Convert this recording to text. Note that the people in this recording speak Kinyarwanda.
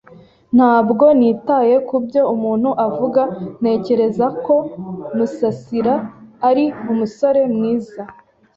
Ntabwo nitaye kubyo umuntu avuga. Ntekereza ko Musasira ari umusore mwiza.